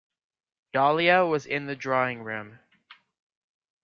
Dahlia was in the drawing-room.